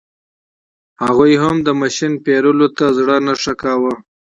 هغوی هم د ماشین پېرلو ته زړه نه ښه کاوه.